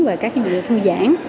về các cái việc thư giãn